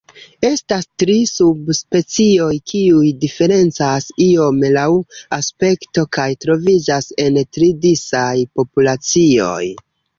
Estas tri subspecioj, kiuj diferencas iome laŭ aspekto kaj troviĝas en tri disaj populacioj.